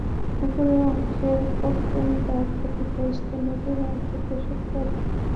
উপরের অংশের কর্তন দাঁত ক্ষতিগ্রস্থ, নিচের অংশের পেষক দাঁত নেই।